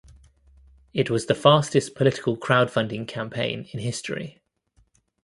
It was the fastest political crowdfunding campaign in history.